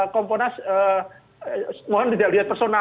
komponas mohon tidak lihat personal